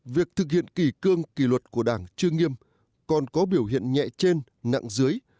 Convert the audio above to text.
việc thực hiện kỳ cương kỳ luật của đảng chưa nghiêm còn có biểu hiện nhẹ trên nặng dưới